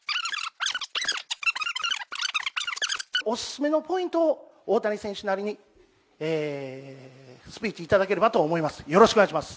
お勧めのポイントを、大谷選手なりにスピーチいただければと思います。